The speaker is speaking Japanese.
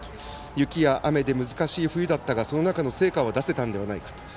雪や雨で難しい冬だったがその中の成果は出せたんじゃないかと。